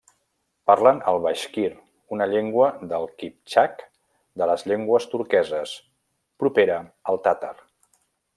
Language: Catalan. Parlen el baixkir, una llengua del Kiptxak de les llengües turqueses, propera al tàtar.